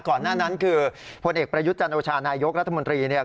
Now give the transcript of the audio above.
หน้านั้นคือพลเอกประยุทธ์จันโอชานายกรัฐมนตรีเนี่ย